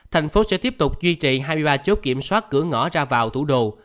thành phố sẽ tiếp tục duy trì hai mươi ba chốt kiểm soát cửa ngõ ra vào thủ đô